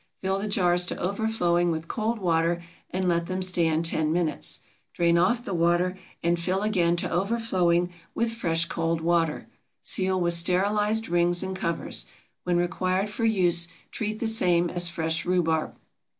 Fill the jars to overflowing with cold water and let them stand ten minutes. Drain off the water and fill again to overflowing with fresh cold water. Seal with sterilized rings and covers. When required for use, treat the same as fresh rhubarb.